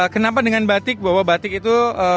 kenapa dengan batik bahwa batik itu